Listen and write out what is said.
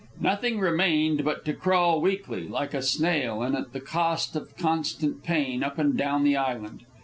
Nothing remained but to crawl weakly, like a snail, and at the cost of constant pain, up and down the island.